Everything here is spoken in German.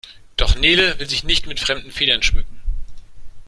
Doch Nele will sich nicht mit fremden Federn schmücken.